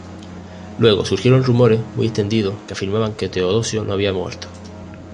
Luego surgieron rumores, muy extendidos, que afirmaban que Teodosio no había muerto.